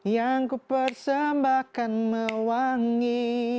yang ku persembahkan mewangi